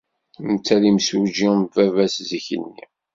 Netta d imsujji am baba-s zik-nni.